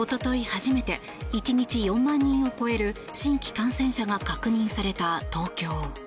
初めて１日４万人を超える新規感染者が確認された東京。